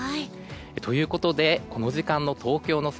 ということでこの時間の東京の空